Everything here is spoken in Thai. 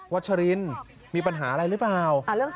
ชัชรินมีปัญหาอะไรหรือเปล่า